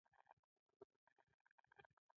یوې ډوډۍ باندې معموره